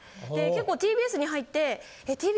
で結構ＴＢＳに入って。